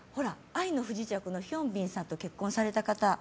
ほら、「愛の不時着」のヒョンビンさんと結婚された方。